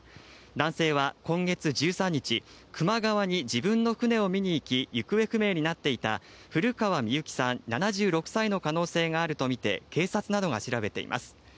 男性は今月１３日、球磨川に自分の船を見に行き、行方不明になっていた古川幸さん７６歳の可能性があると見て、警察などが調べています。